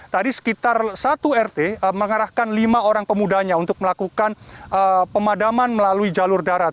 tadi sekitar satu rt mengarahkan lima orang pemudanya untuk melakukan pemadaman melalui jalur darat